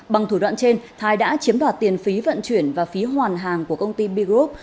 bằng thủ đoạn trên thái đã chiếm đoạt tiền phí vận chuyển và phí hoàn hàng của công ty b group